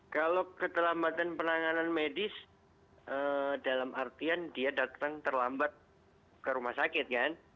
kalau keterlambatan penanganan medis dalam artian dia datang terlambat ke rumah sakit kan